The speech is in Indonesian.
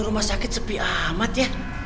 rumah sakit sepi amat ya